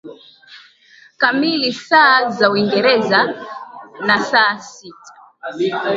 kamili saa za Uingereza na saa sita